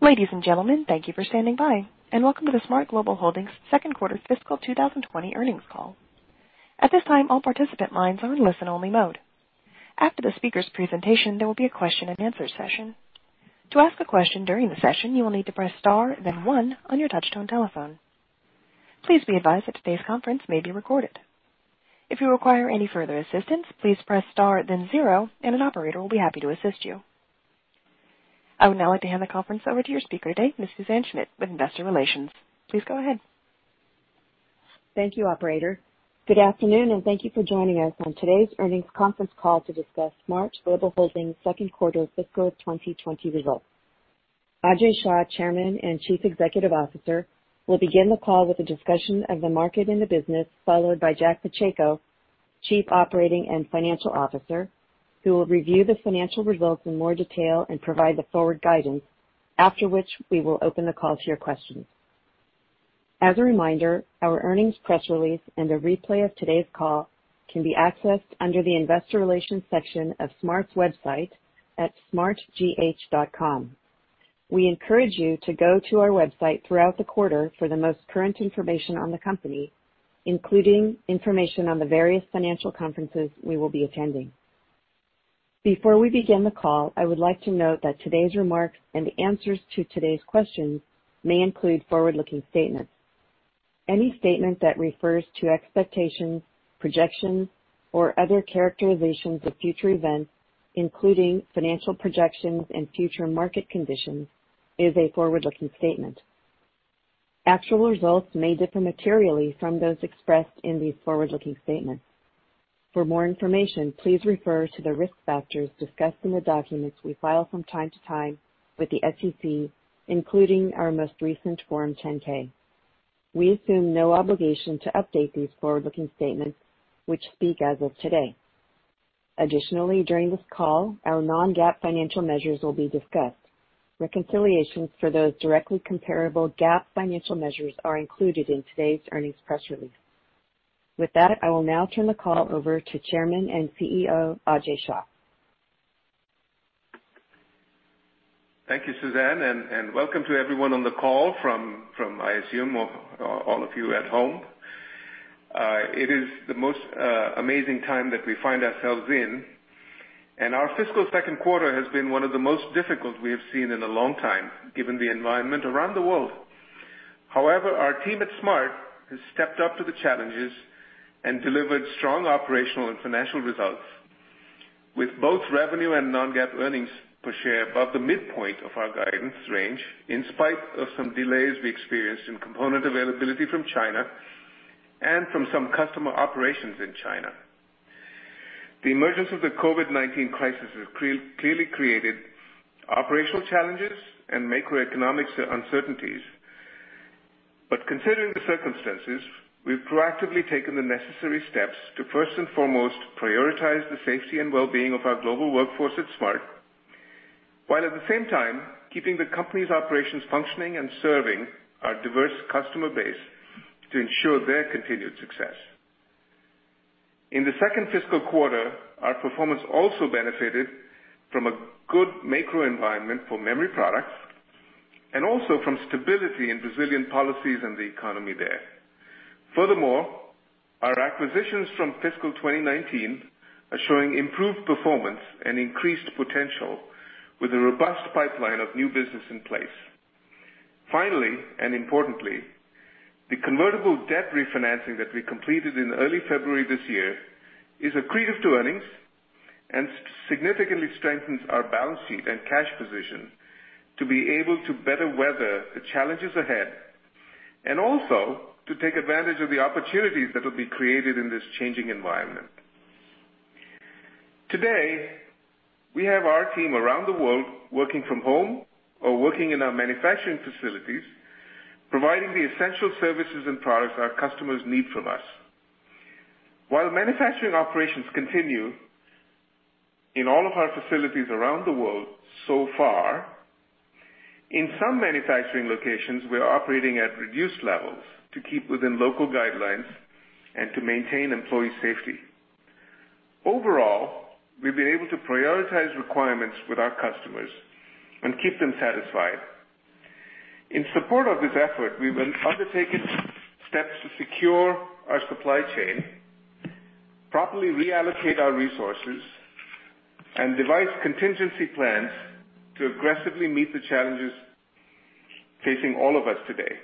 Ladies and gentlemen, thank you for standing by and welcome to the SMART Global Holdings Second Quarter Fiscal 2020 Earnings Call. At this time, all participant lines are in listen-only mode. After the speaker's presentation, there will be a question-and-answer session. To ask a question during the session, you will need to press star then one on your touchtone telephone. Please be advised that today's conference may be recorded. If you require any further assistance, please press star then zero, and an operator will be happy to assist you. I would now like to hand the conference over to your speaker today, Ms. Suzanne Schmidt with investor relations. Please go ahead. Thank you, operator. Good afternoon, and thank you for joining us on today's earnings conference call to discuss SMART Global Holdings second quarter fiscal 2020 results. Ajay Shah, Chairman and Chief Executive Officer, will begin the call with a discussion of the market and the business, followed by Jack Pacheco, Chief Operating and Financial Officer, who will review the financial results in more detail and provide the forward guidance. After which, we will open the call to your questions. As a reminder, our earnings press release and a replay of today's call can be accessed under the investor relations section of SMART's website at smartgh.com. We encourage you to go to our website throughout the quarter for the most current information on the company, including information on the various financial conferences we will be attending. Before we begin the call, I would like to note that today's remarks and the answers to today's questions may include forward-looking statements. Any statement that refers to expectations, projections, or other characterizations of future events, including financial projections and future market conditions, is a forward-looking statement. Actual results may differ materially from those expressed in these forward-looking statements. For more information, please refer to the risk factors discussed in the documents we file from time to time with the SEC, including our most recent Form 10-K. We assume no obligation to update these forward-looking statements, which speak as of today. Additionally, during this call, our non-GAAP financial measures will be discussed. Reconciliations for those directly comparable GAAP financial measures are included in today's earnings press release. With that, I will now turn the call over to Chairman and CEO, Ajay Shah. Thank you, Suzanne, and welcome to everyone on the call from I assume, all of you at home. It is the most amazing time that we find ourselves in, and our fiscal second quarter has been one of the most difficult we have seen in a long time, given the environment around the world. However, our team at SMART has stepped up to the challenges and delivered strong operational and financial results with both revenue and non-GAAP earnings per share above the midpoint of our guidance range, in spite of some delays we experienced in component availability from China and from some customer operations in China. The emergence of the COVID-19 crisis has clearly created operational challenges and macroeconomic uncertainties. Considering the circumstances, we've proactively taken the necessary steps to first and foremost prioritize the safety and well-being of our global workforce at SMART, while at the same time, keeping the company's operations functioning and serving our diverse customer base to ensure their continued success. In the second fiscal quarter, our performance also benefited from a good macroenvironment for memory products and also from stability in Brazilian policies and the economy there. Furthermore, our acquisitions from fiscal 2019 are showing improved performance and increased potential with a robust pipeline of new business in place. Finally, importantly, the convertible debt refinancing that we completed in early February this year is accretive to earnings and significantly strengthens our balance sheet and cash position to be able to better weather the challenges ahead and also to take advantage of the opportunities that will be created in this changing environment. Today, we have our team around the world working from home or working in our manufacturing facilities, providing the essential services and products our customers need from us. While manufacturing operations continue in all of our facilities around the world so far, in some manufacturing locations, we are operating at reduced levels to keep within local guidelines and to maintain employee safety. Overall, we've been able to prioritize requirements with our customers and keep them satisfied. In support of this effort, we will undertake steps to secure our supply chain, properly reallocate our resources, and devise contingency plans to aggressively meet the challenges facing all of us today.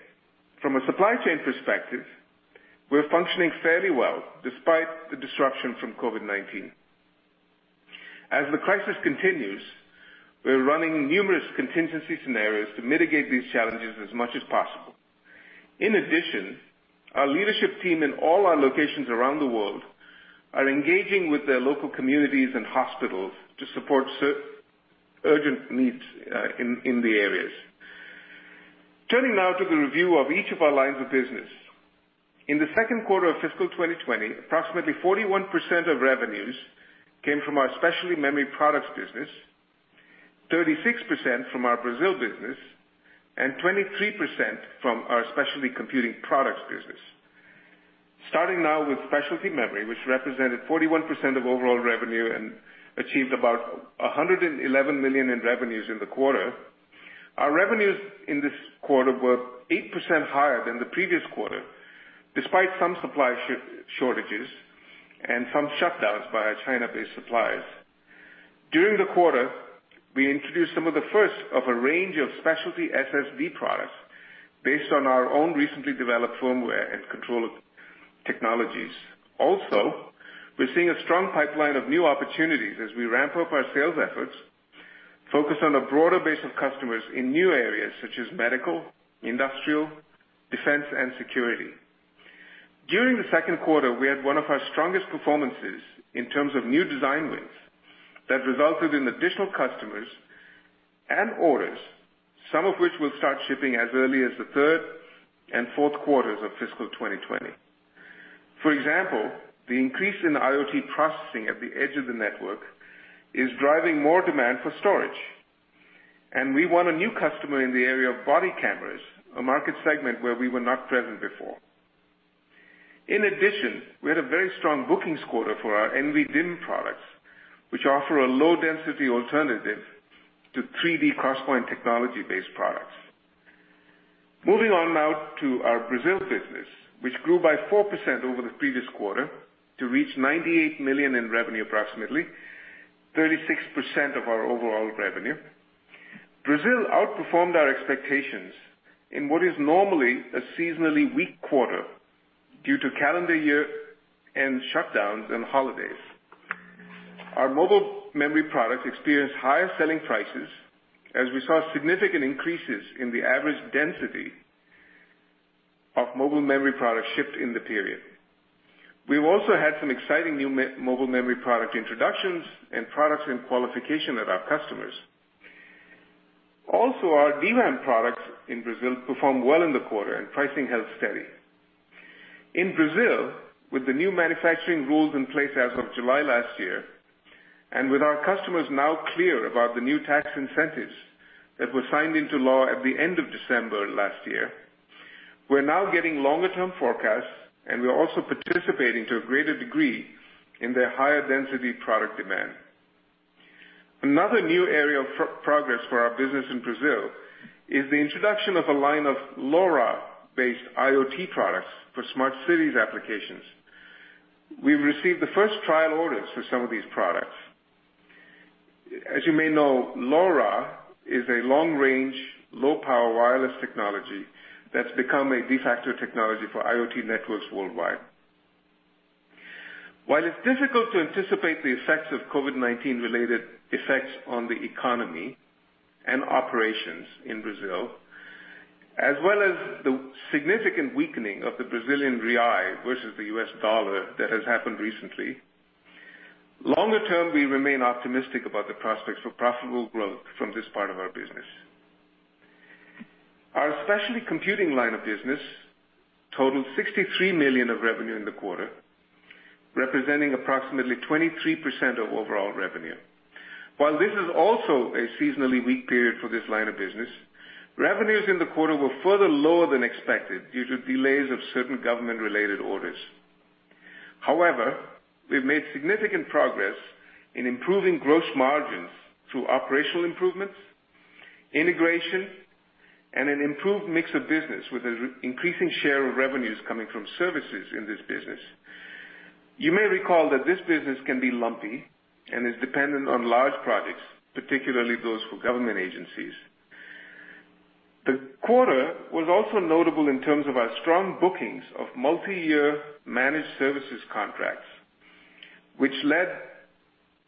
From a supply chain perspective, we're functioning fairly well despite the disruption from COVID-19. As the crisis continues, we're running numerous contingency scenarios to mitigate these challenges as much as possible. In addition, our leadership team in all our locations around the world are engaging with their local communities and hospitals to support urgent needs in the areas. Turning now to the review of each of our lines of business. In the second quarter of fiscal 2020, approximately 41% of revenues came from our specialty memory products business, 36% from our Brazil business, and 23% from our specialty computing products business. Starting now with specialty memory, which represented 41% of overall revenue and achieved about $111 million in revenues in the quarter. Our revenues in this quarter were 8% higher than the previous quarter, despite some supply shortages and some shutdowns by our China-based suppliers. During the quarter, we introduced some of the first of a range of specialty SSD products based on our own recently developed firmware and control technologies. We're seeing a strong pipeline of new opportunities as we ramp up our sales efforts, focus on a broader base of customers in new areas such as medical, industrial, defense, and security. During the second quarter, we had one of our strongest performances in terms of new design wins that resulted in additional customers and orders, some of which will start shipping as early as the third and fourth quarters of fiscal 2020. The increase in IoT processing at the edge of the network is driving more demand for storage. We won a new customer in the area of body cameras, a market segment where we were not present before. We had a very strong bookings quarter for our NVDIMM products, which offer a low density alternative to 3D XPoint technology-based products. Moving on now to our Brazil business, which grew by 4% over the previous quarter to reach $98 million in revenue, approximately 36% of our overall revenue. Brazil outperformed our expectations in what is normally a seasonally weak quarter due to calendar year-end shutdowns and holidays. Our mobile memory products experienced higher selling prices as we saw significant increases in the average density of mobile memory products shipped in the period. We've also had some exciting new mobile memory product introductions and qualification at our customers. Our DRAM products in Brazil performed well in the quarter, and pricing held steady. In Brazil, with the new manufacturing rules in place as of July last year, and with our customers now clear about the new tax incentives that were signed into law at the end of December last year, we're now getting longer term forecasts, and we are also participating to a greater degree in their higher density product demand. Another new area of progress for our business in Brazil is the introduction of a line of LoRa-based IoT products for smart cities applications. We've received the first trial orders for some of these products. As you may know, LoRa is a long-range, low-power wireless technology that's become a de facto technology for IoT networks worldwide. It's difficult to anticipate the effects of COVID-19 related effects on the economy and operations in Brazil, as well as the significant weakening of the Brazilian real versus the US dollar that has happened recently, longer term, we remain optimistic about the prospects for profitable growth from this part of our business. Our specialty computing line of business totaled $63 million of revenue in the quarter, representing approximately 23% of overall revenue. This is also a seasonally weak period for this line of business, revenues in the quarter were further lower than expected due to delays of certain government-related orders. We've made significant progress in improving gross margins through operational improvements, integration, and an improved mix of business with an increasing share of revenues coming from services in this business. You may recall that this business can be lumpy and is dependent on large projects, particularly those for government agencies. The quarter was also notable in terms of our strong bookings of multi-year managed services contracts, which led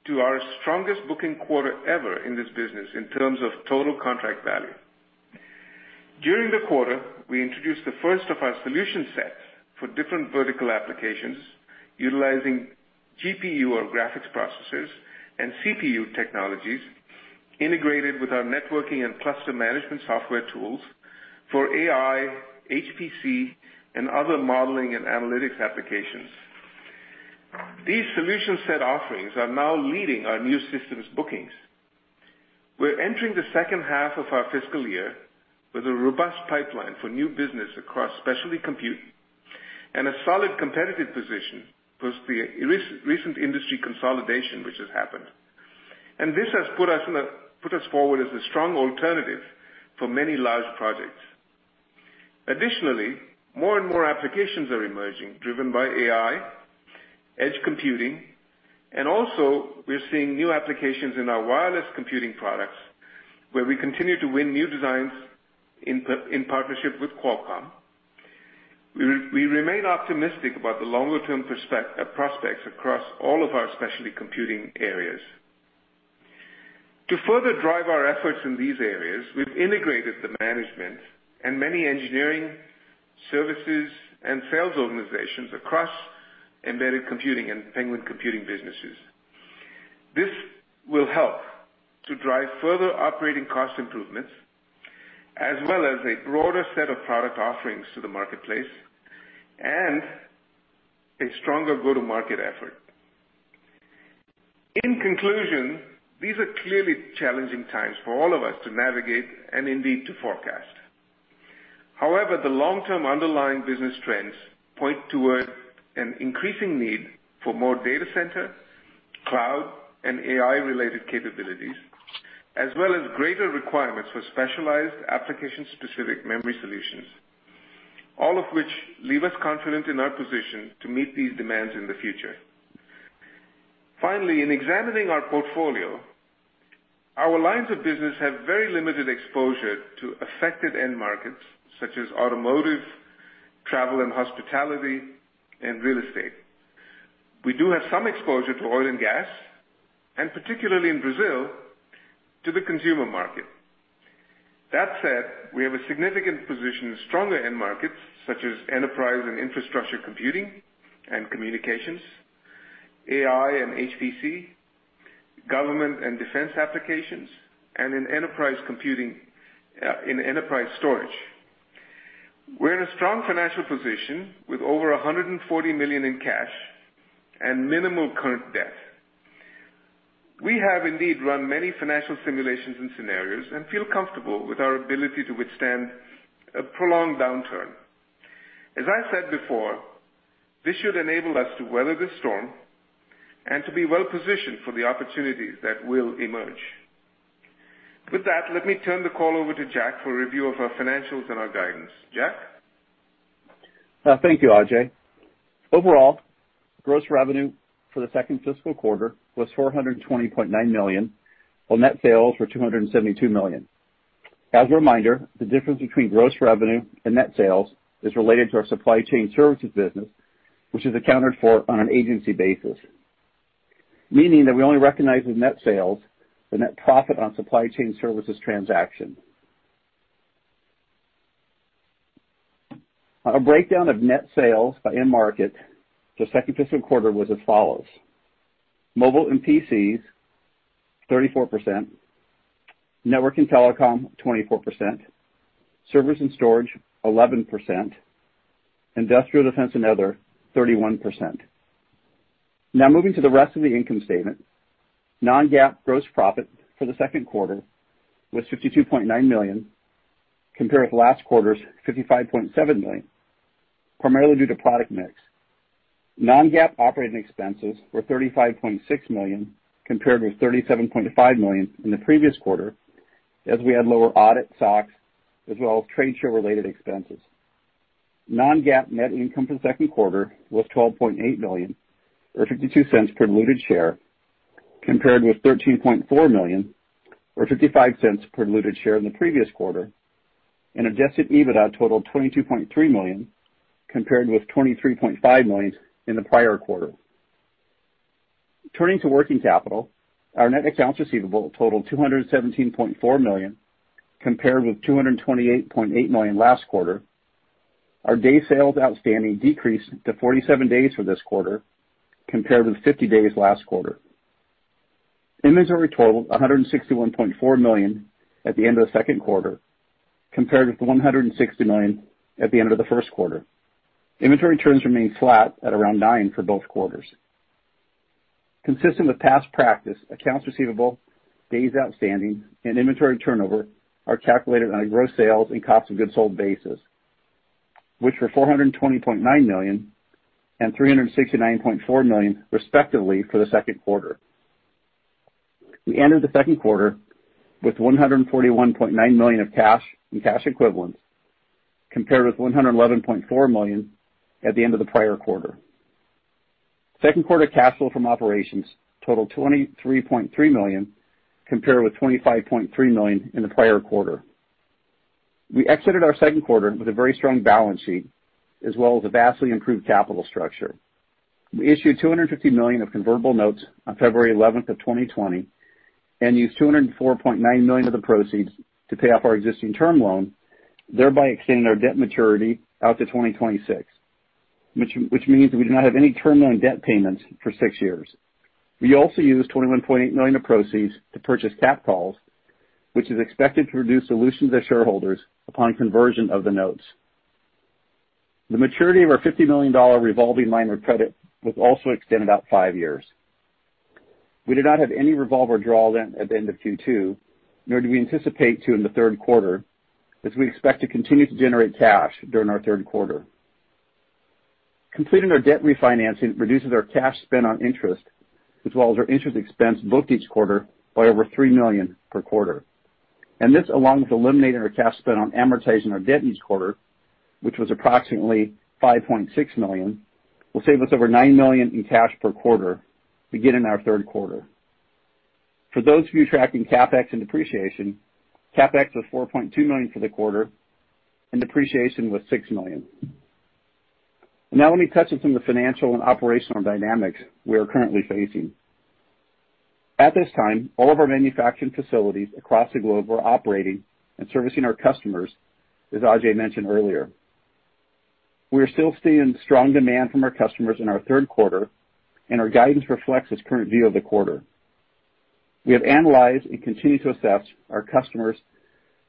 to our strongest booking quarter ever in this business in terms of total contract value. During the quarter, we introduced the first of our solution sets for different vertical applications utilizing GPU or graphics processors and CPU technologies integrated with our networking and cluster management software tools for AI, HPC, and other modeling and analytics applications. These solution set offerings are now leading our new systems bookings. We're entering the second half of our fiscal year with a robust pipeline for new business across specialty computing and a solid competitive position plus the recent industry consolidation which has happened. This has put us forward as a strong alternative for many large projects. Additionally, more and more applications are emerging, driven by AI, edge computing, and also we're seeing new applications in our wireless computing products, where we continue to win new designs in partnership with Qualcomm. We remain optimistic about the longer term prospects across all of our specialty computing areas. To further drive our efforts in these areas, we've integrated the management and many engineering services and sales organizations across embedded computing and Penguin Computing businesses. This will help to drive further operating cost improvements as well as a broader set of product offerings to the marketplace and a stronger go-to-market effort. In conclusion, these are clearly challenging times for all of us to navigate and indeed to forecast. The long-term underlying business trends point towards an increasing need for more data center, cloud, and AI-related capabilities, as well as greater requirements for specialized application-specific memory solutions. All of which leave us confident in our position to meet these demands in the future. In examining our portfolio, our lines of business have very limited exposure to affected end markets such as automotive, travel and hospitality, and real estate. We do have some exposure to oil and gas, and particularly in Brazil, to the consumer market. We have a significant position in stronger end markets such as enterprise and infrastructure computing and communications, AI and HPC, government and defense applications, and in enterprise computing, in enterprise storage. We're in a strong financial position with over $140 million in cash and minimal current debt. We have indeed run many financial simulations and scenarios and feel comfortable with our ability to withstand a prolonged downturn. As I said before, this should enable us to weather the storm and to be well-positioned for the opportunities that will emerge. With that, let me turn the call over to Jack for a review of our financials and our guidance. Jack? Thank you, Ajay. Overall, gross revenue for the second fiscal quarter was $420.9 million, while net sales were $272 million. As a reminder, the difference between gross revenue and net sales is related to our supply chain services business, which is accounted for on an agency basis, meaning that we only recognize as net sales the net profit on supply chain services transaction. A breakdown of net sales by end market the second fiscal quarter was as follows: mobile and PCs, 34%. Network and telecom, 24%. Servers and storage, 11%. Industrial, defense, and other, 31%. Moving to the rest of the income statement. Non-GAAP gross profit for the second quarter was $52.9 million, compared with last quarter's $55.7 million, primarily due to product mix. Non-GAAP operating expenses were $35.6 million, compared with $37.5 million in the previous quarter, as we had lower audit, SOX, as well as trade show-related expenses. Non-GAAP net income for the second quarter was $12.8 million, or $0.52 per diluted share, compared with $13.4 million, or $0.55 per diluted share in the previous quarter. Adjusted EBITDA totaled $22.3 million, compared with $23.5 million in the prior quarter. Turning to working capital, our net accounts receivable totaled $217.4 million, compared with $228.8 million last quarter. Our day sales outstanding decreased to 47 days for this quarter, compared with 50 days last quarter. Inventory totaled $161.4 million at the end of the second quarter, compared with $160 million at the end of the first quarter. Inventory turns remained flat at around nine for both quarters. Consistent with past practice, accounts receivable, days outstanding, and inventory turnover are calculated on a gross sales and cost of goods sold basis, which were $420.9 million and $369.4 million, respectively, for the second quarter. We entered the second quarter with $141.9 million of cash and cash equivalents, compared with $111.4 million at the end of the prior quarter. Second quarter cash flow from operations totaled $23.3 million, compared with $25.3 million in the prior quarter. We exited our second quarter with a very strong balance sheet, as well as a vastly improved capital structure. We issued $250 million of convertible notes on February 11, 2020, and used $204.9 million of the proceeds to pay off our existing term loan, thereby extending our debt maturity out to 2026, which means we do not have any term loan debt payments for six years. We also used $21.8 million of proceeds to purchase capped calls, which is expected to reduce dilution to shareholders upon conversion of the notes. The maturity of our $50 million revolving line of credit was also extended out five years. We do not have any revolver draw down at the end of Q2, nor do we anticipate to in the third quarter, as we expect to continue to generate cash during our third quarter. Completing our debt refinancing reduces our cash spent on interest, as well as our interest expense booked each quarter by over $3 million per quarter. This, along with eliminating our cash spent on amortizing our debt each quarter, which was approximately $5.6 million, will save us over $9 million in cash per quarter beginning our third quarter. For those of you tracking CapEx and depreciation, CapEx was $4.2 million for the quarter, and depreciation was $6 million. Now let me touch on some of the financial and operational dynamics we are currently facing. At this time, all of our manufacturing facilities across the globe are operating and servicing our customers, as Ajay mentioned earlier. We are still seeing strong demand from our customers in our third quarter, and our guidance reflects this current view of the quarter. We have analyzed and continue to assess our customers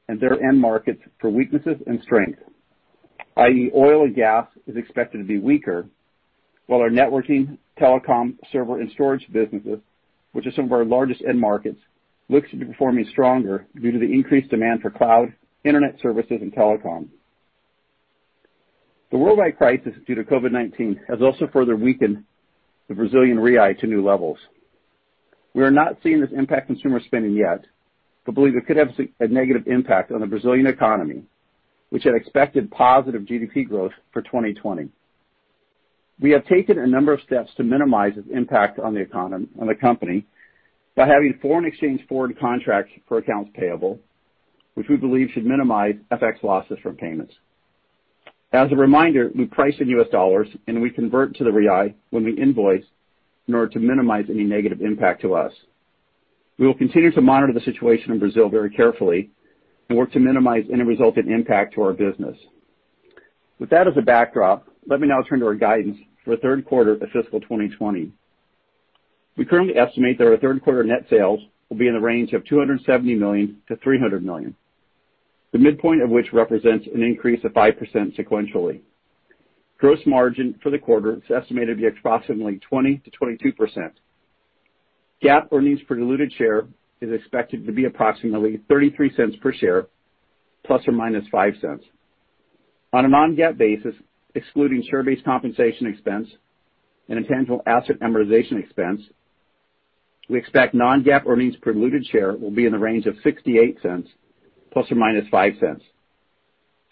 and their end markets for weaknesses and strengths, id est, oil and gas is expected to be weaker, while our networking, telecom, server, and storage businesses, which are some of our largest end markets, look to be performing stronger due to the increased demand for cloud, internet services, and telecom. The worldwide crisis due to COVID-19 has also further weakened the Brazilian real to new levels. We are not seeing this impact consumer spending yet, but believe it could have a negative impact on the Brazilian economy, which had expected positive GDP growth for 2020. We have taken a number of steps to minimize its impact on the company by having foreign exchange forward contracts for accounts payable, which we believe should minimize FX losses from payments. As a reminder, we price in US dollars. We convert to the real when we invoice in order to minimize any negative impact to us. We will continue to monitor the situation in Brazil very carefully and work to minimize any resultant impact to our business. With that as a backdrop, let me now turn to our guidance for the third quarter of fiscal 2020. We currently estimate that our third quarter net sales will be in the range of $270 million-$300 million, the midpoint of which represents an increase of 5% sequentially. Gross margin for the quarter is estimated to be approximately 20%-22%. GAAP earnings per diluted share is expected to be approximately $0.33 per share, ±$0.05. On a non-GAAP basis, excluding share-based compensation expense and intangible asset amortization expense, we expect non-GAAP earnings per diluted share will be in the range of $0.68, ±$0.05,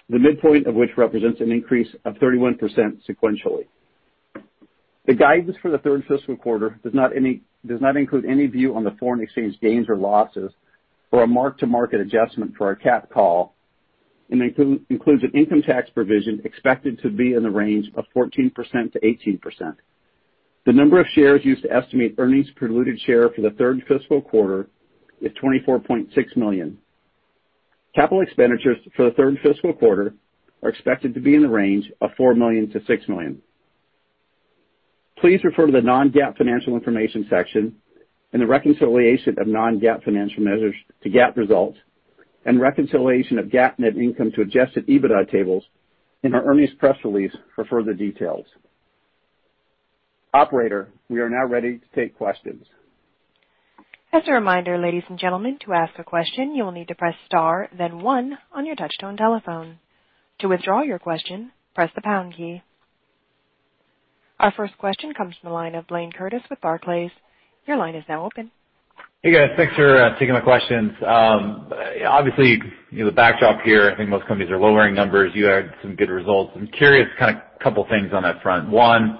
the midpoint of which represents an increase of 31% sequentially. The guidance for the third fiscal quarter does not include any view on the foreign exchange gains or losses or a mark-to-market adjustment for our capped call, and includes an income tax provision expected to be in the range of 14%-18%. The number of shares used to estimate earnings per diluted share for the third fiscal quarter is 24.6 million. Capital expenditures for the third fiscal quarter are expected to be in the range of $4 million-$6 million. Please refer to the non-GAAP financial information section and the reconciliation of non-GAAP financial measures to GAAP results and reconciliation of GAAP net income to adjusted EBITDA tables in our earnings press release for further details. Operator, we are now ready to take questions. As a reminder, ladies and gentlemen, to ask a question, you will need to press star then one on your touchtone telephone. To withdraw your question, press the pound key. Our first question comes from the line of Blayne Curtis with Barclays. Your line is now open. Hey, guys. Thanks for taking my questions. Obviously, you know, the backdrop here, I think most companies are lowering numbers. You had some good results. I'm curious kind of couple things on that front. One,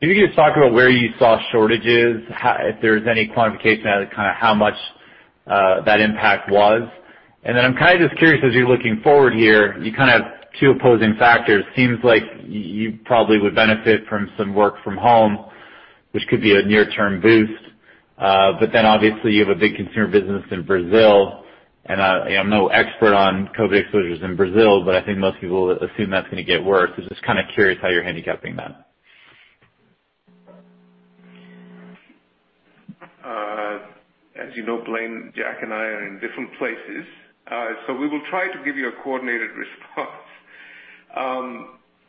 can you just talk about where you saw shortages, if there's any quantification as kind of how much that impact was? I'm kind of just curious, as you're looking forward here, you kind of two opposing factors. Seems like you probably would benefit from some work from home, which could be a near-term boost. Obviously, you have a big consumer business in Brazil, and, you know, I'm no expert on COVID exposures in Brazil, but I think most people assume that's gonna get worse. Just kind of curious how you're handicapping that. As you know, Blayne, Jack and I are in different places. We will try to give you a coordinated response.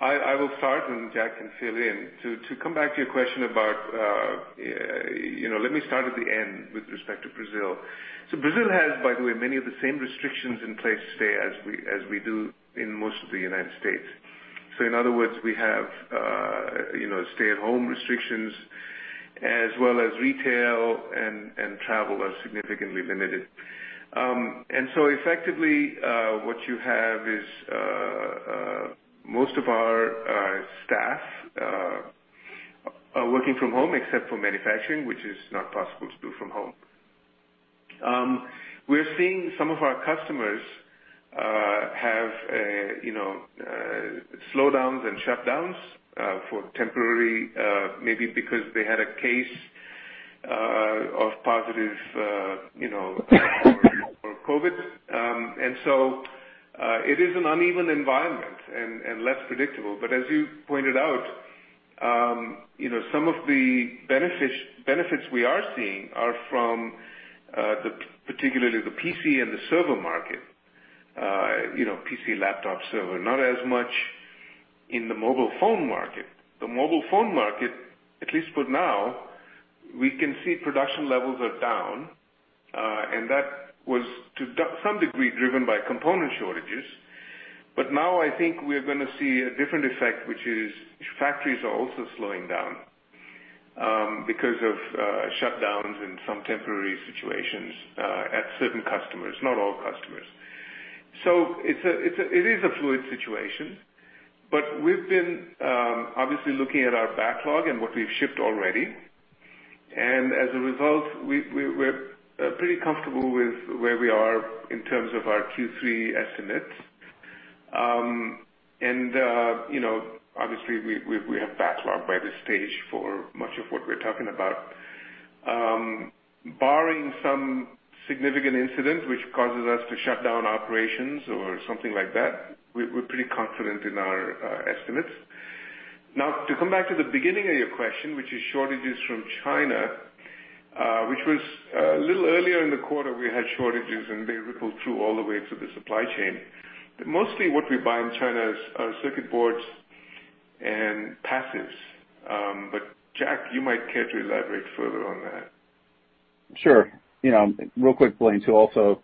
I will start, and Jack can fill in. To come back to your question about, you know, let me start at the end with respect to Brazil. Brazil has, by the way, many of the same restrictions in place today as we do in most of the United States. In other words, we have, you know, stay-at-home restrictions as well as retail and travel are significantly limited. Effectively, what you have is most of our staff are working from home except for manufacturing, which is not possible to do from home. We're seeing some of our customers have, you know, slowdowns and shutdowns for temporary, maybe because they had a case of positive, you know, for COVID-19. It is an uneven environment and less predictable. As you pointed out, you know, some of the benefits we are seeing are from the, particularly the PC and the server market, you know, PC, laptop, server, not as much in the mobile phone market. The mobile phone market, at least for now, we can see production levels are down, and that was to some degree driven by component shortages. Now I think we're gonna see a different effect, which is factories are also slowing down because of shutdowns and some temporary situations at certain customers, not all customers. It is a fluid situation. We've been obviously looking at our backlog and what we've shipped already. As a result, we're pretty comfortable with where we are in terms of our Q3 estimates. You know, obviously, we have backlog by this stage for much of what we're talking about. Barring some significant incident which causes us to shut down operations or something like that, we're pretty confident in our estimates. Now to come back to the beginning of your question, which is shortages from China, which was a little earlier in the quarter, we had shortages, and they rippled through all the way through the supply chain. Mostly what we buy in China is, are circuit boards and passives. Jack, you might care to elaborate further on that. Sure. You know, real quick, Blayne, to also,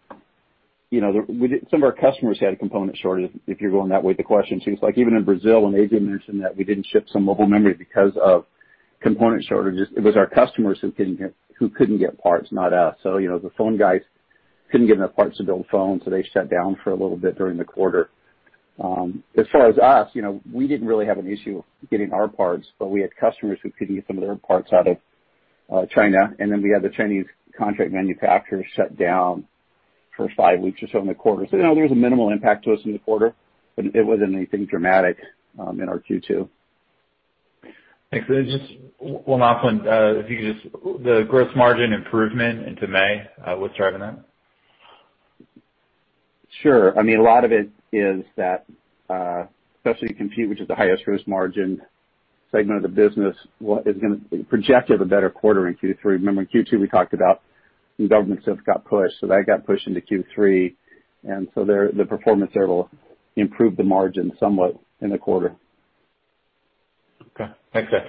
you know, some of our customers had a component shortage, if you're going that way with the question. Seems like even in Brazil, Ajay mentioned that we didn't ship some mobile memory because of component shortages. It was our customers who couldn't get parts, not us. You know, the phone guys couldn't get enough parts to build phones, so they shut down for a little bit during the quarter. As far as us, you know, we didn't really have an issue getting our parts, but we had customers who couldn't get some of their parts out of China. We had the Chinese contract manufacturers shut down for five weeks or so in the quarter. You know, there was a minimal impact to us in the quarter, but it wasn't anything dramatic, in our Q2. Thanks. Just one last one. If you could just The gross margin improvement into May, what's driving that? Sure. I mean, a lot of it is that, specialty compute, which is the highest gross margin segment of the business, projected a better quarter in Q3. Remember in Q2 we talked about some government stuff got pushed, so that got pushed into Q3. There, the performance there will improve the margin somewhat in the quarter. Okay. Thanks, Jack.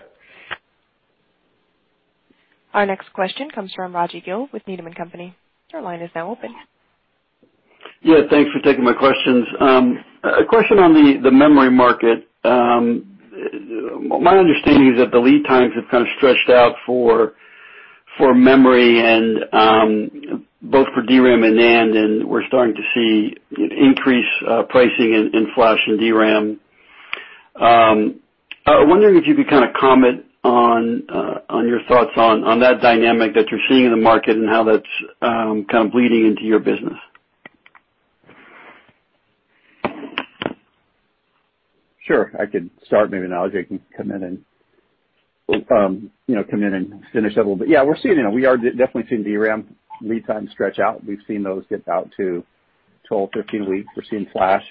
Our next question comes from Rajvi Gill with Needham & Company. Your line is now open. Thanks for taking my questions. A question on the memory market. My understanding is that the lead times have kind of stretched out for memory and both for DRAM and NAND, and we're starting to see increase pricing in flash and DRAM. I'm wondering if you could kinda comment on your thoughts on that dynamic that you're seeing in the market and how that's kind of bleeding into your business. Sure. I could start maybe, and Ajay can come in and, you know, come in and finish up a little bit. Yeah, you know, we are definitely seeing DRAM lead time stretch out. We've seen those get out to 12, 15 weeks. We're seeing flash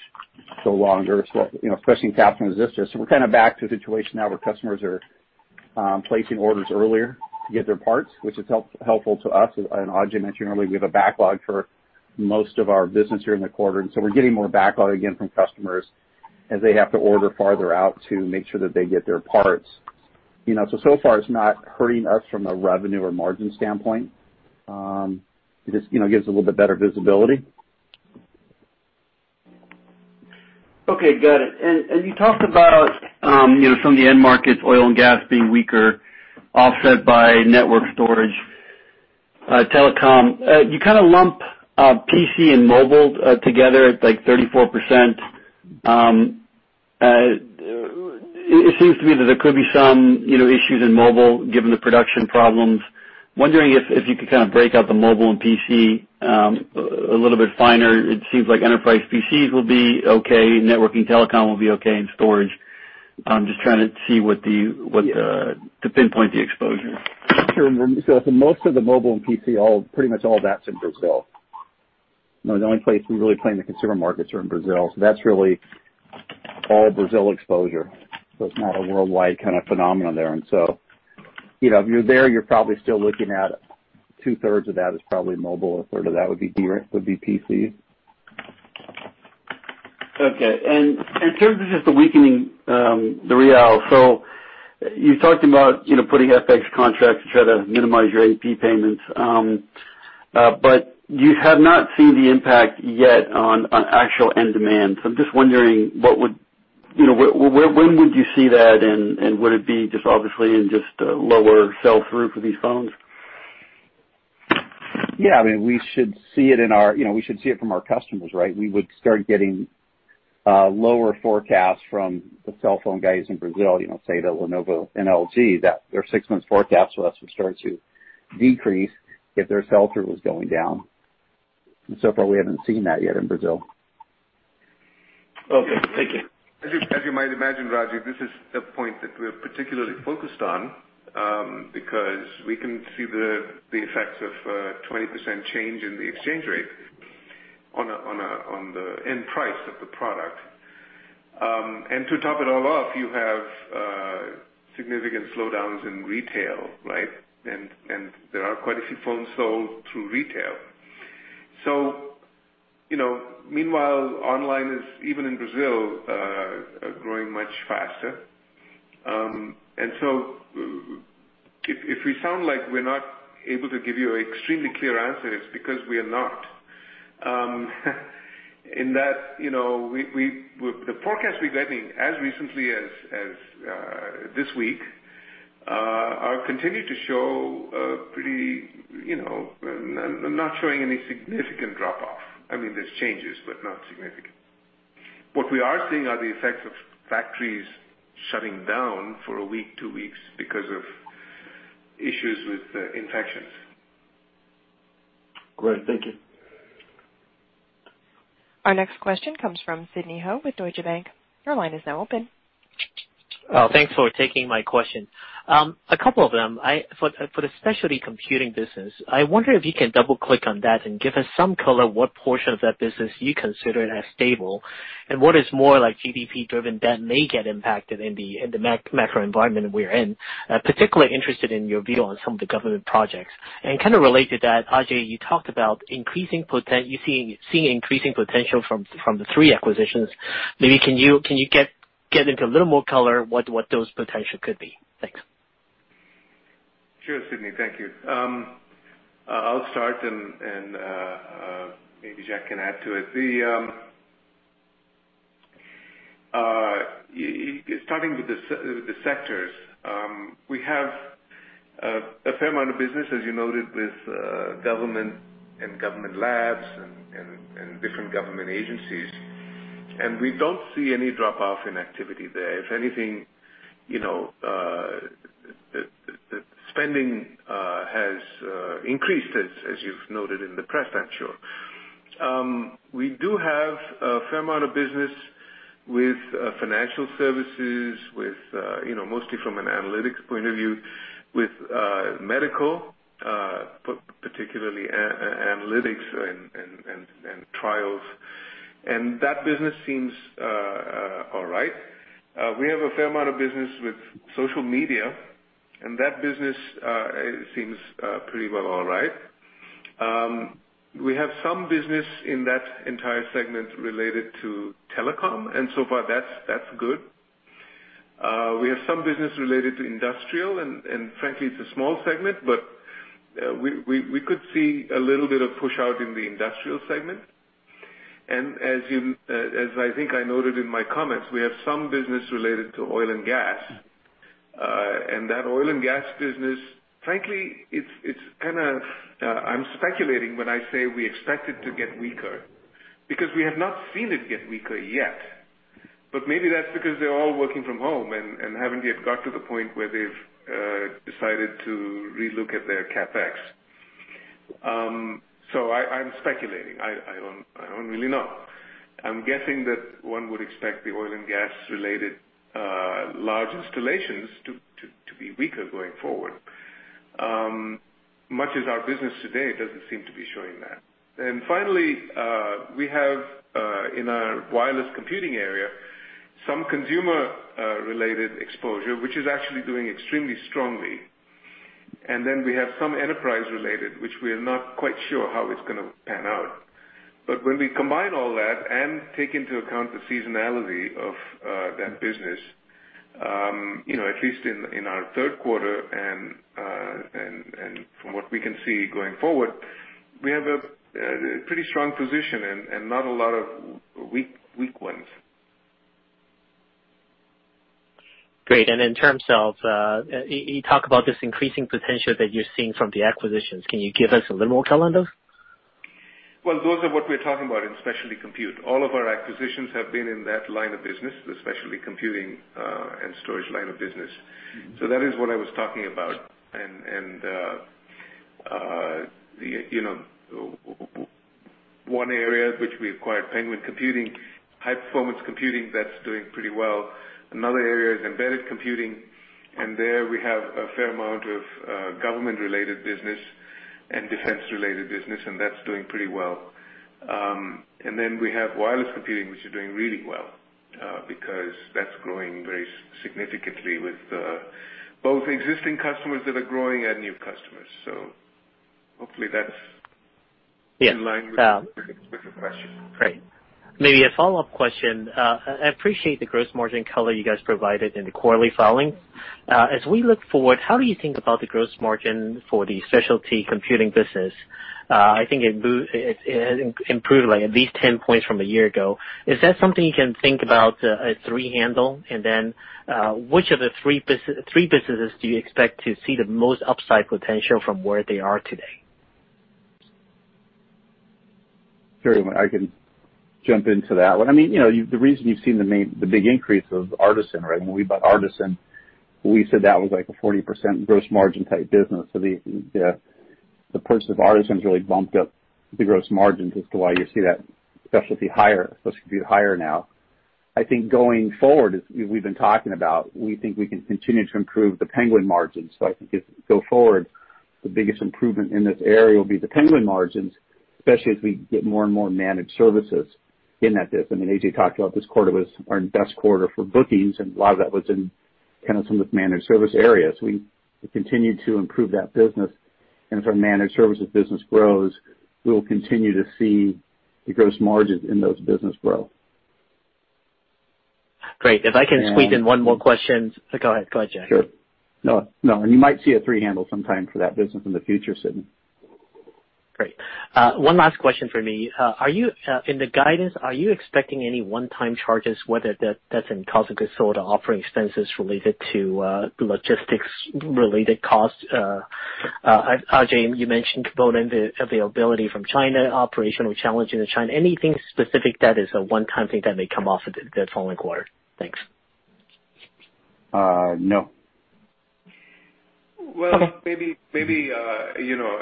go longer, so, you know, pushing caps and resistors. We're kind of back to the situation now where customers are placing orders earlier to get their parts, which is helpful to us. Ajay mentioned earlier we have a backlog for most of our business here in the quarter, and so we're getting more backlog again from customers as they have to order farther out to make sure that they get their parts. You know, so far it's not hurting us from a revenue or margin standpoint. It just, you know, gives a little bit better visibility. Okay, got it. You talked about, you know, some of the end markets, oil and gas being weaker, offset by network storage, telecom. You kinda lump PC and mobile together at like 34%. It seems to me that there could be some, you know, issues in mobile given the production problems. Wondering if you could kind of break out the mobile and PC a little bit finer. It seems like enterprise PCs will be okay, networking telecom will be okay, and storage. Yeah. to pinpoint the exposure. Sure. For most of the mobile and PC, pretty much all that's in Brazil. You know, the only place we really play in the consumer markets are in Brazil, that's really all Brazil exposure. It's not a worldwide kind of phenomenon there. You know, if you're there, you're probably still looking at two-thirds of that is probably mobile. A third of that would be PC. Okay. In terms of just the weakening, the Brazilian real, you talked about, you know, putting FX contracts to try to minimize your AP payments, but you have not seen the impact yet on actual end demand. I'm just wondering what would you know, when would you see that, and would it be just obviously in just lower sell through for these phones? Yeah, I mean, You know, we should see it from our customers, right? We would start getting lower forecasts from the cell phone guys in Brazil, you know, say the Lenovo and LG, that their six months forecast with us would start to decrease if their sell through was going down. So far, we haven't seen that yet in Brazil. Okay, thank you. As you might imagine, Rajvi, this is a point that we're particularly focused on, because we can see the effects of a 20% change in the exchange rate on the end price of the product. To top it all off, you have significant slowdowns in retail, right? There are quite a few phones sold through retail. You know, meanwhile, online is, even in Brazil, growing much faster. If we sound like we're not able to give you an extremely clear answer, it's because we are not. In that, you know, the forecast we're getting as recently as this week, continue to show a pretty, you know, not showing any significant drop off. I mean, there's changes, but not significant. What we are seeing are the effects of factories shutting down for a week, 2 weeks because of issues with infections. Great. Thank you. Our next question comes from Sidney Ho with Deutsche Bank. Your line is now open. Thanks for taking my question. A couple of them. For the specialty computing business, I wonder if you can double-click on that and give us some color what portion of that business you consider as stable and what is more like GDP driven that may get impacted in the macro environment we're in. Particularly interested in your view on some of the government projects. Kind of related to that, Ajay, you talked about increasing potential from the three acquisitions. Maybe can you get into a little more color what those potential could be? Thanks. Sure, Sidney. Thank you. I'll start and maybe Jack can add to it. Starting with the sectors, we have a fair amount of business, as you noted, with government and government labs and different government agencies. We don't see any drop-off in activity there. If anything, you know, the spending has increased, as you've noted in the press, I'm sure. We do have a fair amount of business with financial services with, you know, mostly from an analytics point of view, with medical, particularly analytics and trials. That business seems all right. We have a fair amount of business with social media, and that business seems pretty well all right. We have some business in that entire segment related to telecom, so far, that's good. We have some business related to industrial, frankly, it's a small segment, we could see a little bit of push out in the industrial segment. As you, as I think I noted in my comments, we have some business related to oil and gas. That oil and gas business, frankly, it's kinda, I'm speculating when I say we expect it to get weaker, because we have not seen it get weaker yet. Maybe that's because they're all working from home and haven't yet got to the point where they've decided to relook at their CapEx. I'm speculating. I don't really know. I'm guessing that one would expect the oil and gas related large installations to be weaker going forward. Much as our business today doesn't seem to be showing that. Finally, we have in our wireless computing area, some consumer related exposure, which is actually doing extremely strongly. Then we have some enterprise related, which we're not quite sure how it's gonna pan out. When we combine all that and take into account the seasonality of that business, you know, at least in our third quarter and from what we can see going forward, we have a pretty strong position and not a lot of weak ones. Great. In terms of you talk about this increasing potential that you're seeing from the acquisitions, can you give us a little more color on those? Well, those are what we're talking about in specialty compute. All of our acquisitions have been in that line of business, the specialty computing and storage line of business. That is what I was talking about. The one area which we acquired, Penguin Computing, high performance computing, that's doing pretty well. Another area is embedded computing, and there we have a fair amount of government-related business and defense-related business, and that's doing pretty well. Then we have wireless computing, which is doing really well because that's growing very significantly with both existing customers that are growing and new customers. Hopefully that's. Yeah. In line with your question. Great. Maybe a follow-up question. I appreciate the gross margin color you guys provided in the quarterly filing. As we look forward, how do you think about the gross margin for the specialty computing business? I think it improved, like, at least 10 points from a year ago. Is that something you can think about, a three handle? Which of the three businesses do you expect to see the most upside potential from where they are today? Sure. I can jump into that one. I mean, you know, the reason you've seen the big increase of Artesyn, right? When we bought Artesyn, we said that was like a 40% gross margin type business. The purchase of Artesyn's really bumped up the gross margins as to why you see that specialty higher, supposed to be higher now. I think going forward, as we've been talking about, we think we can continue to improve the Penguin margins. I think if we go forward, the biggest improvement in this area will be the Penguin margins, especially as we get more and more managed services in that business. I mean, Ajay talked about this quarter was our best quarter for bookings, and a lot of that was in kind of some of the managed service areas. We continue to improve that business. If our managed services business grows, we will continue to see the gross margins in those business grow. Great. If I can squeeze in one more question. Go ahead. Go ahead, Jack. Sure. No, no, you might see a three handle sometime for that business in the future, Sidney. Great. one last question from me. Are you in the guidance, are you expecting any one-time charges, whether that's in cost of goods sold or operating expenses related to logistics related costs? Ajay, you mentioned component availability from China, operational challenge in China. Anything specific that is a one-time thing that may come off of the following quarter? Thanks. No. Well, maybe, you know,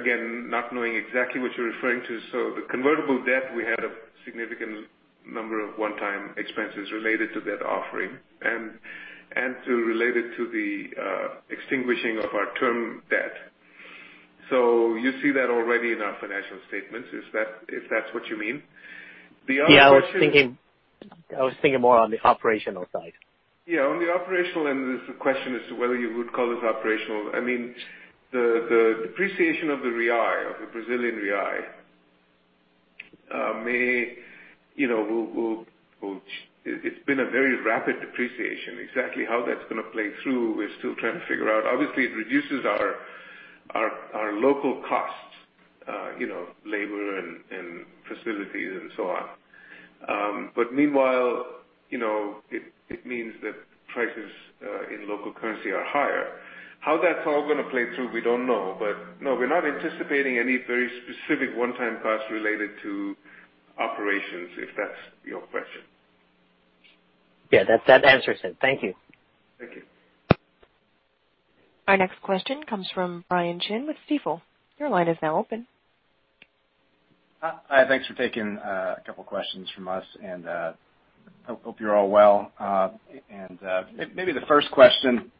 again, not knowing exactly what you're referring to. The convertible debt, we had a significant number of one-time expenses related to that offering and to related to the extinguishing of our term debt. You see that already in our financial statements, if that's what you mean. I was thinking more on the operational side. Yeah, on the operational end, the question as to whether you would call this operational. I mean, the depreciation of the Brazilian real may, you know, it's been a very rapid depreciation. Exactly how that's gonna play through, we're still trying to figure out. Obviously, it reduces our local costs, you know, labor and facilities and so on. Meanwhile, you know, it means that prices in local currency are higher. How that's all gonna play through, we don't know. No, we're not anticipating any very specific one-time costs related to operations, if that's your question. Yeah, that answers it. Thank you. Thank you. Our next question comes from Brian Chin with Stifel. Hi, thanks for taking a couple questions from us, and hope you're all well. Maybe the first question,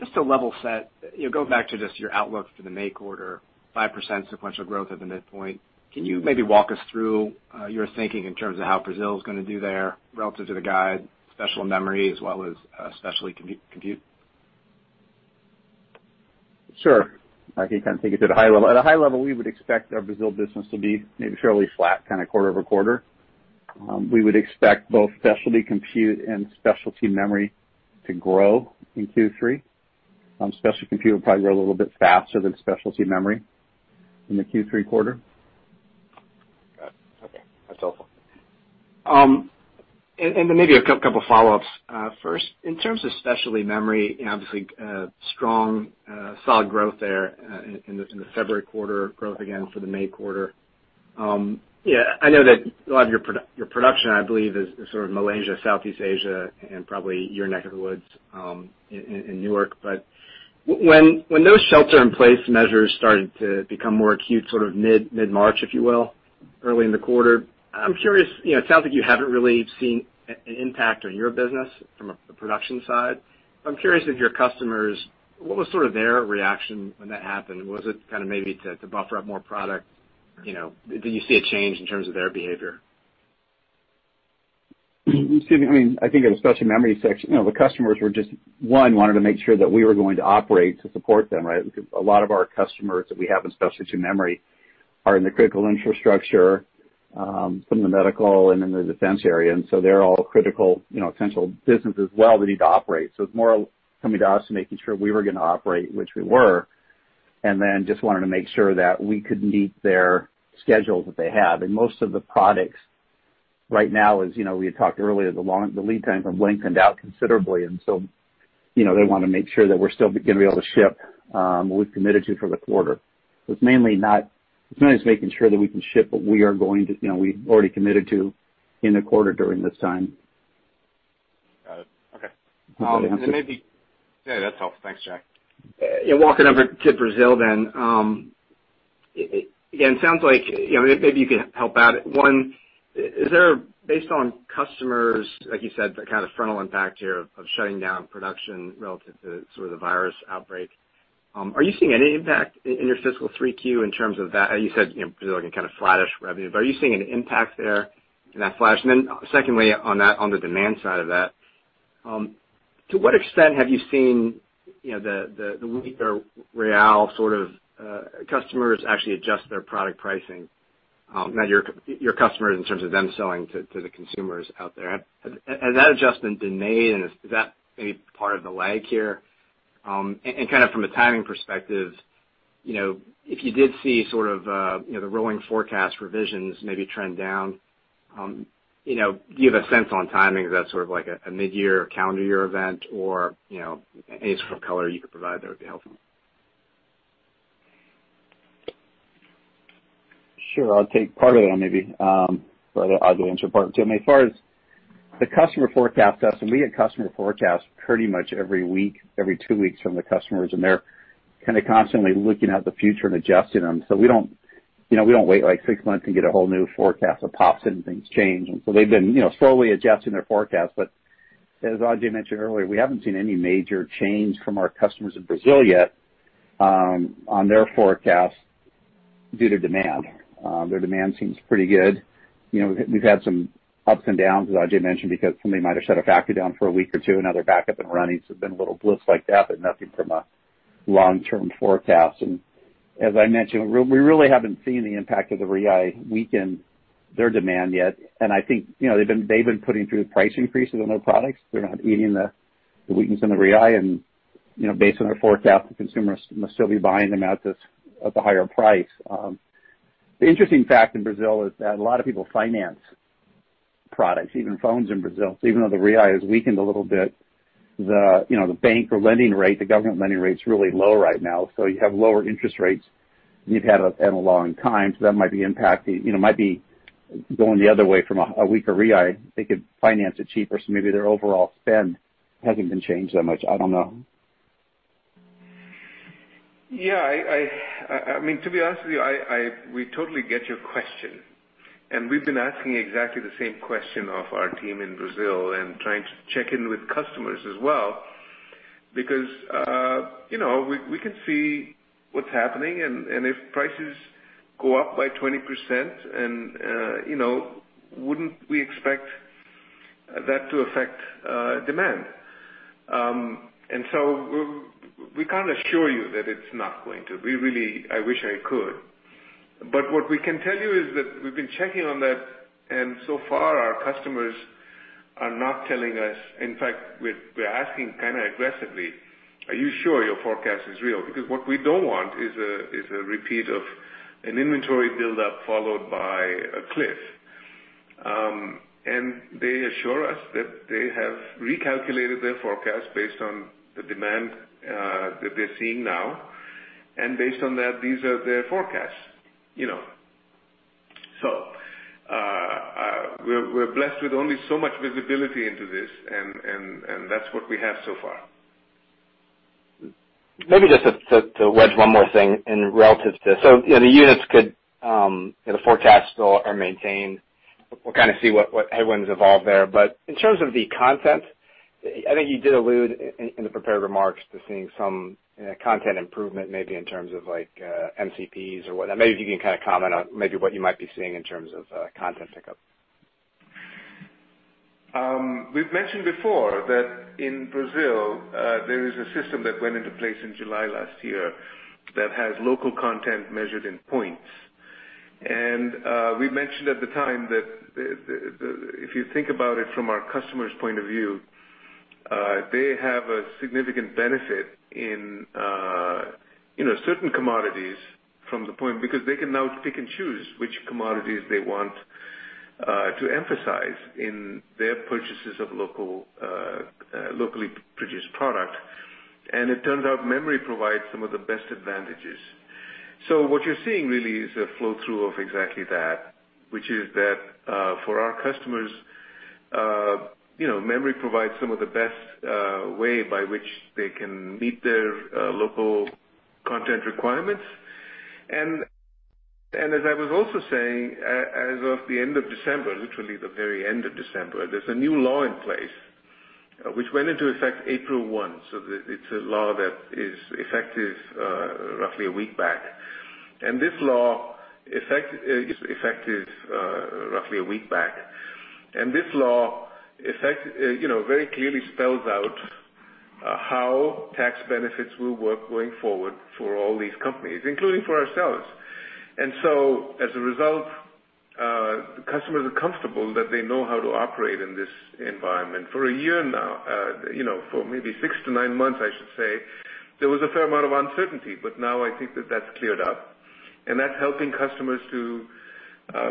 just to level set, you know, going back to just your outlook for the May quarter, 5% sequential growth at the midpoint. Can you maybe walk us through your thinking in terms of how Brazil is gonna do there relative to the guide, special memory, as well as specialty compute? Sure. I can kind of take it to the high level. At a high level, we would expect our Brazil business to be maybe fairly flat kind of quarter-over-quarter. We would expect both specialty compute and specialty memory to grow in Q3. Specialty compute will probably grow a little bit faster than specialty memory in the Q3 quarter. Got it. Okay. That's helpful. And then maybe a couple follow-ups. First, in terms of specialty memory, you know, obviously, strong, solid growth there, in the February quarter. Growth again for the May quarter. Yeah, I know that a lot of your production, I believe, is sort of Malaysia, Southeast Asia, and probably your neck of the woods, in Newark. When those shelter-in-place measures started to become more acute, sort of mid-March, if you will, early in the quarter, I'm curious, you know, it sounds like you haven't really seen an impact on your business from a production side. I'm curious if your customers, what was sort of their reaction when that happened? Was it kind of maybe to buffer up more product? You know, did you see a change in terms of their behavior? Excuse me. I mean, I think in the specialty memory section, you know, the customers just wanted to make sure that we were going to operate to support them, right? Because a lot of our customers that we have in specialty memory are in the critical infrastructure, some in the medical and in the defense area, they're all critical, you know, potential businesses as well that need to operate. It's more of coming to us and making sure we were gonna operate, which we were, just wanted to make sure that we could meet their schedules that they have. Most of the products right now is, you know, we had talked earlier, the lead time from lengthened out considerably. You know, they wanna make sure that we're still gonna be able to ship what we've committed to for the quarter. It's mainly not, it's mainly just making sure that we can ship what we are going to, you know, we've already committed to in the quarter during this time. Got it. Okay. Hope that answers. Maybe Yeah, that's helpful. Thanks, Jack. Yeah, walking over to Brazil then. Again, sounds like, you know, maybe you can help out. One, is there, based on customers, like you said, the kind of frontal impact here of shutting down production relative to sort of the virus outbreak, are you seeing any impact in your fiscal Q3 in terms of that? You said, you know, Brazil looking kind of flattish revenue, are you seeing an impact there in that flattish? Then secondly, on that, on the demand side of that, to what extent have you seen, you know, the, the weaker real sort of, customers actually adjust their product pricing, not your customers in terms of them selling to the consumers out there? Has that adjustment been made, is that maybe part of the lag here? Kind of from a timing perspective, you know, if you did see sort of, you know, the rolling forecast revisions maybe trend down, you know, do you have a sense on timing? Is that sort of like a mid-year or calendar year event? You know, any sort of color you could provide there would be helpful. Sure. I'll take part of that maybe, Ajay will answer part two. I mean, as far as the customer forecast goes, we get customer forecasts pretty much every week, every two weeks from the customers, and they're kinda constantly looking at the future and adjusting them. We don't, you know, we don't wait like six months and get a whole new forecast that pops in and things change. They've been, you know, slowly adjusting their forecast. As Ajay mentioned earlier, we haven't seen any major change from our customers in Brazil yet, on their forecast due to demand. Their demand seems pretty good. You know, we've had some ups and downs, as Ajay mentioned, because somebody might have shut a factory down for a week or two, now they're back up and running. There's been little blips like that, but nothing from a long-term forecast. As I mentioned, we really haven't seen the impact of the real weaken their demand yet. I think, you know, they've been putting through price increases on their products. They're not eating the weakness in the real and, you know, based on their forecast, the consumers must still be buying them at the higher price. The interesting fact in Brazil is that a lot of people finance products, even phones in Brazil. Even though the real has weakened a little bit, you know, the bank or lending rate, the government lending rate's really low right now. You have lower interest rates. You've had a long time, so that might be impacting, you know, might be going the other way from a weaker Real. They could finance it cheaper, so maybe their overall spend hasn't been changed that much. I don't know. I mean, to be honest with you, we totally get your question. We've been asking exactly the same question of our team in Brazil and trying to check in with customers as well because, you know, we can see what's happening and if prices go up by 20% and, you know, wouldn't we expect that to affect demand? So we can't assure you that it's not going to. I wish I could. What we can tell you is that we've been checking on that, and so far, our customers are not telling us. In fact, we're asking kind of aggressively, "Are you sure your forecast is real?" Because what we don't want is a repeat of an inventory buildup followed by a cliff. They assure us that they have recalculated their forecast based on the demand that they're seeing now. Based on that, these are their forecasts, you know. We're blessed with only so much visibility into this and that's what we have so far. Maybe just to wedge one more thing in relative to this. You know, the units could, you know, the forecasts still are maintained. We'll kind of see what headwinds evolve there. In terms of the content, I think you did allude in the prepared remarks to seeing some content improvement maybe in terms of like MCPs or what. Maybe you can kind of comment on maybe what you might be seeing in terms of content pickup. We've mentioned before that in Brazil, there is a system that went into place in July last year that has local content measured in points. We mentioned at the time that if you think about it from our customer's point of view, they have a significant benefit in, you know, certain commodities from the point because they can now pick and choose which commodities they want to emphasize in their purchases of local, locally produced product. It turns out memory provides some of the best advantages. What you're seeing really is a flow-through of exactly that, which is that, for our customers, you know, memory provides some of the best way by which they can meet their local content requirements. As I was also saying, as of the end of December, literally the very end of December, there's a new law in place which went into effect April 1. It's a law that is effective, roughly a week back. This law effect is effective, roughly a week back. This law effect, you know, very clearly spells out how tax benefits will work going forward for all these companies, including for ourselves. As a result, the customers are comfortable that they know how to operate in this environment. For a year now, you know, for maybe six to nine months, I should say, there was a fair amount of uncertainty, but now I think that that's cleared up. That's helping customers to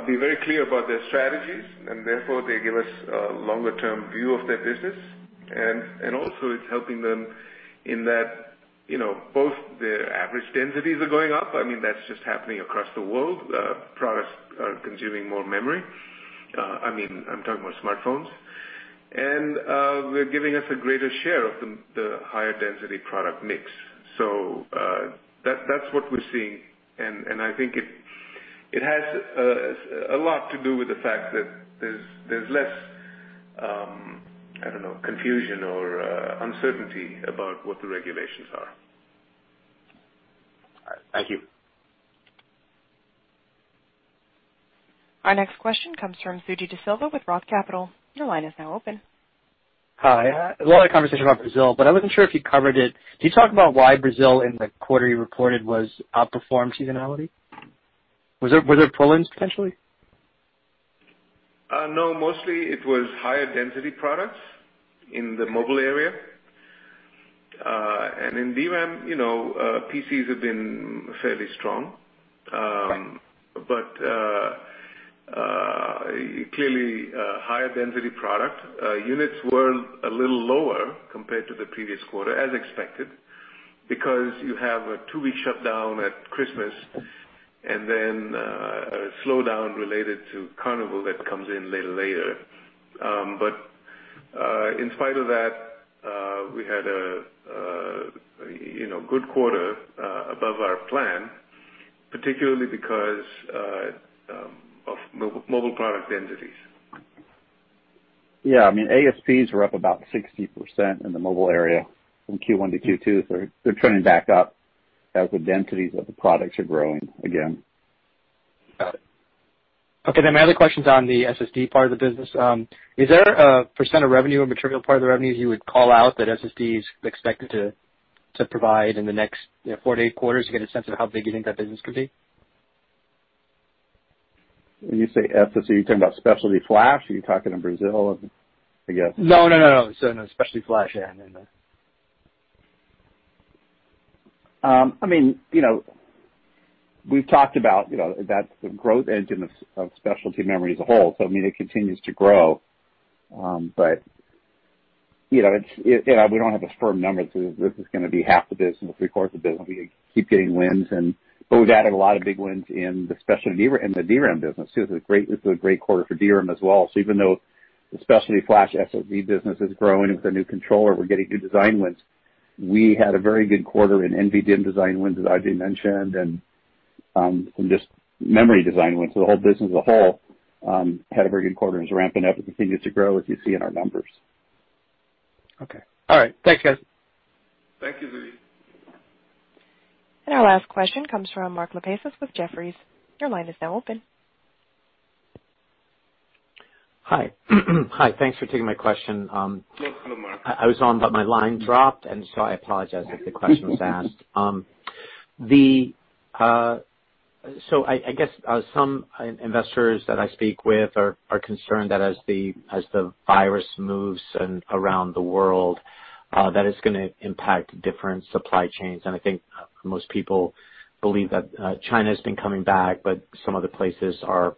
be very clear about their strategies, and therefore they give us a longer-term view of their business. Also it's helping them in that, you know, both their average densities are going up. I mean, that's just happening across the world. Products are consuming more memory. I mean, I'm talking about smartphones. They're giving us a greater share of the higher density product mix. That's what we're seeing. I think it has a lot to do with the fact that there's less, I don't know, confusion or uncertainty about what the regulations are. All right. Thank you. Our next question comes from Suji Desilva with ROTH Capital. Your line is now open. Hi. A lot of conversation about Brazil, but I wasn't sure if you covered it. Can you talk about why Brazil in the quarter you reported was outperformed seasonality? Was there pull-ins potentially? No, mostly it was higher density products in the mobile area. In DRAM, you know, PCs have been fairly strong. Clearly, higher density product units were a little lower compared to the previous quarter, as expected, because you have a two-week shutdown at Christmas and then, a slowdown related to Carnival that comes in little later. In spite of that, we had a, you know, good quarter above our plan, particularly because of mobile product densities. Yeah, I mean, ASPs were up about 60% in the mobile area from Q1 to Q2, so they're turning back up as the densities of the products are growing again. Got it. My other question's on the SSD part of the business. Is there a percent of revenue, a material part of the revenue you would call out that SSD is expected to provide in the next, you know, four to eight quarters to get a sense of how big you think that business could be? When you say SSD, are you talking about specialty flash? Are you talking in Brazil, I guess? No, no, no. No, specialty flash. Yeah. I mean, you know, we've talked about, you know, that's the growth engine of specialty memory as a whole. I mean, it continues to grow. You know, it's you know, we don't have a firm number to this is gonna be half the business, three-quarters of business. We keep getting wins and we've added a lot of big wins in the specialty DRAM in the DRAM business. This is a great, this is a great quarter for DRAM as well. Even though the specialty flash SSD business is growing with the new controller, we're getting new design wins. We had a very good quarter in NVDIMM design wins, as Ajay mentioned, and some just memory design wins. The whole business as a whole had a very good quarter and is ramping up and continues to grow as you see in our numbers. Okay. All right. Thanks, guys. Thank you, Suji. Our last question comes from Mark Lipacis with Jefferies. Your line is now open. Hi. Hi, thanks for taking my question. No problem, Mark. I was on, but my line dropped. So I apologize if the question was asked. So I guess, some investors that I speak with are concerned that as the virus moves around the world, that it's gonna impact different supply chains. I think, most people believe that China's been coming back, but some other places are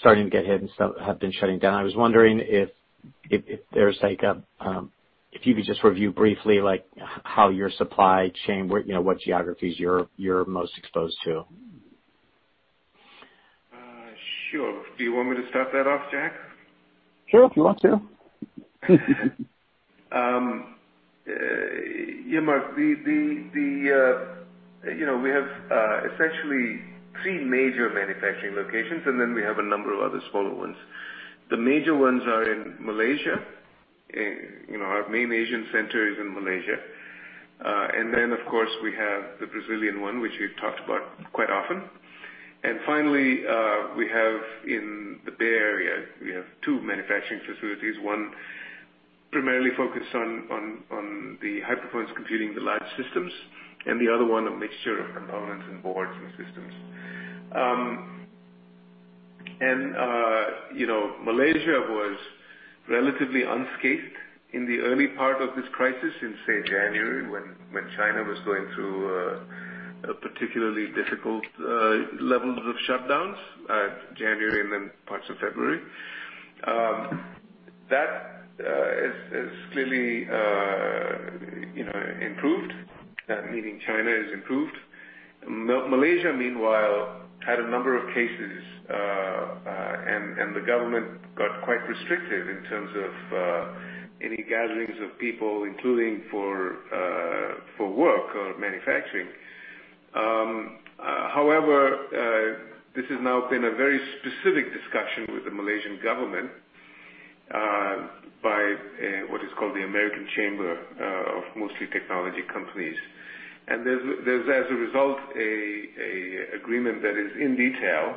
starting to get hit and some have been shutting down. I was wondering if there's like a, if you could just review briefly, like how your supply chain work, you know, what geographies you're most exposed to. Sure. Do you want me to start that off, Jack? Sure, if you want to. Yeah, Mark. The, you know, we have essentially three major manufacturing locations, and then we have a number of other smaller ones. The major ones are in Malaysia. You know, our main Asian center is in Malaysia. Then, of course, we have the Brazilian one, which we've talked about quite often. Finally, we have in the Bay Area, we have two manufacturing facilities, one primarily focused on the high-performance computing, the large systems, and the other one, a mixture of components and boards and systems. You know, Malaysia was relatively unscathed in the early part of this crisis in, say, January, when China was going through a particularly difficult levels of shutdowns, January and then parts of February. That has clearly, you know, improved, meaning China has improved. Malaysia, meanwhile, had a number of cases, and the government got quite restrictive in terms of any gatherings of people, including for work or manufacturing. However, this has now been a very specific discussion with the Malaysian government by what is called the American Chamber of mostly technology companies. There's, as a result, an agreement that is in detail,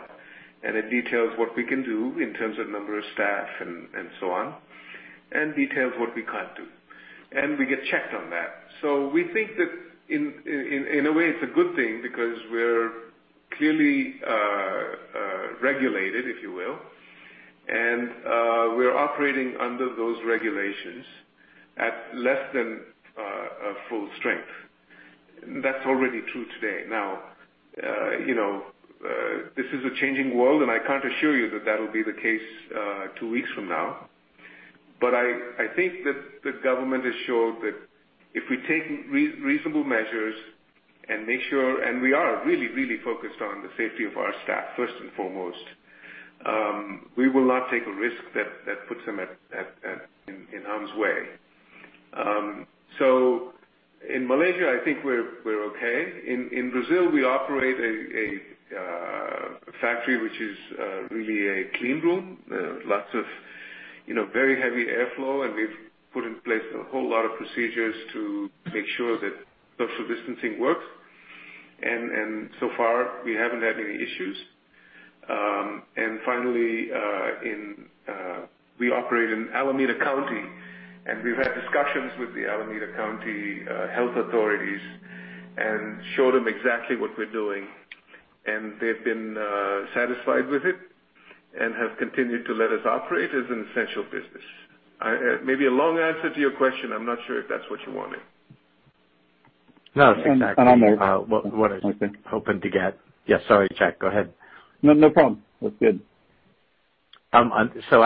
and it details what we can do in terms of number of staff and so on, and details what we can't do. We get checked on that. We think that in a way, it's a good thing because we're clearly regulated, if you will, and we're operating under those regulations at less than a full strength. That's already true today. You know, this is a changing world, and I can't assure you that that'll be the case two weeks from now. I think that the government has showed that if we take reasonable measures and make sure we are really focused on the safety of our staff, first and foremost, we will not take a risk that puts them in harm's way. In Malaysia, I think we're okay. In Brazil, we operate a factory which is really a clean room, lots of, you know, very heavy airflow, We've put in place a whole lot of procedures to make sure that social distancing works. So far, we haven't had any issues. Finally, in, we operate in Alameda County, We've had discussions with the Alameda County health authorities and showed them exactly what we're doing, They've been satisfied with it and have continued to let us operate as an essential business. Maybe a long answer to your question. I'm not sure if that's what you wanted. No, that's exactly what I was hoping to get. Yeah, sorry, Jack. Go ahead. No, no problem. That's good. I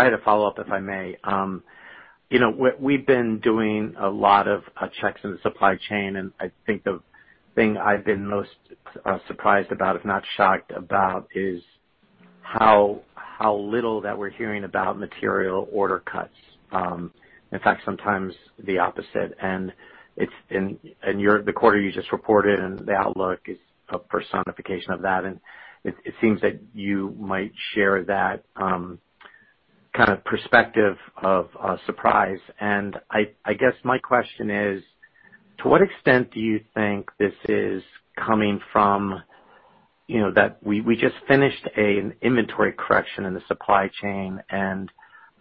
had a follow-up, if I may. You know, we've been doing a lot of checks in the supply chain, and I think the thing I've been most surprised about, if not shocked about, is how little that we're hearing about material order cuts. In fact, sometimes the opposite. It's in the quarter you just reported and the outlook is a personification of that, and it seems that you might share that kind of perspective of surprise. I guess my question is: To what extent do you think this is coming from, you know, that we just finished an inventory correction in the supply chain,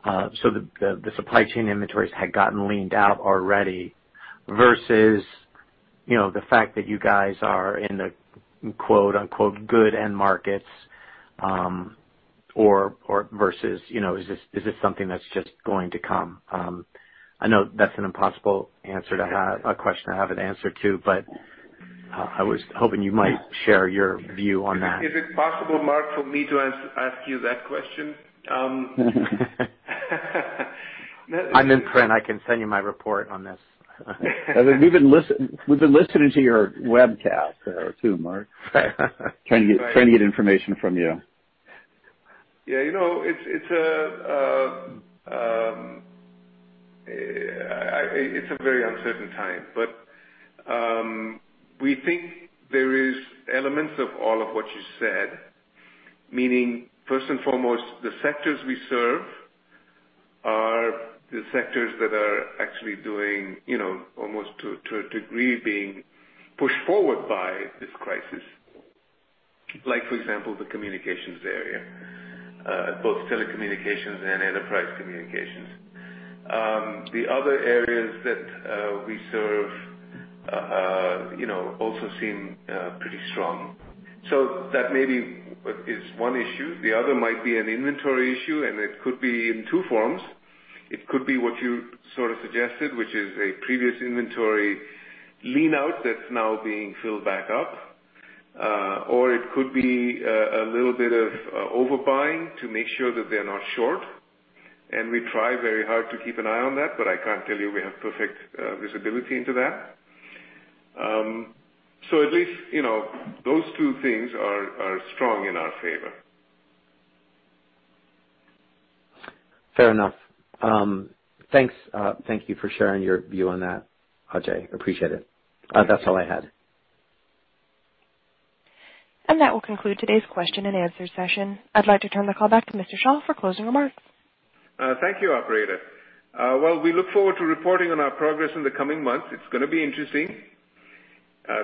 so the supply chain inventories had gotten leaned out already versus, you know, the fact that you guys are in the quote, unquote, "good end markets," or versus, you know, is this something that's just going to come? I know that's an impossible question to have an answer to. I was hoping you might share your view on that. Is it possible, Mark, for me to ask you that question? I'm in print. I can send you my report on this. We've been listening to your webcast, too, Mark. Trying to get information from you. Yeah. You know, it's a very uncertain time. We think there is elements of all of what you said. Meaning, first and foremost, the sectors we serve are the sectors that are actually doing, you know, almost to a degree being pushed forward by this crisis. Like for example, the communications area, both telecommunications and enterprise communications. The other areas that we serve, you know, also seem pretty strong. That maybe is one issue. The other might be an inventory issue. It could be in two forms. It could be what you sort of suggested, which is a previous inventory lean out that's now being filled back up. It could be a little bit of overbuying to make sure that they're not short. We try very hard to keep an eye on that, but I can't tell you we have perfect visibility into that. At least, you know, those two things are strong in our favor. Fair enough. Thanks. Thank you for sharing your view on that, Ajay. Appreciate it. That's all I had. That will conclude today's question and answer session. I'd like to turn the call back to Mr. Shah for closing remarks. Thank you, operator. Well, we look forward to reporting on our progress in the coming months. It's gonna be interesting.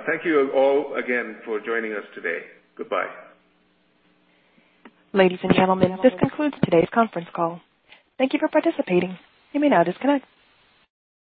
Thank you all again for joining us today. Goodbye. Ladies and gentlemen, this concludes today's conference call. Thank you for participating. You may now disconnect.